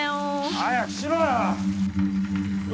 早くしろよ。